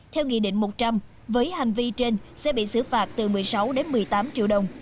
theo nghị định một trăm linh với hành vi trên xe bị xử phạt từ một mươi sáu đến một mươi tám triệu đồng